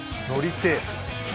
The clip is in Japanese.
乗りてえ。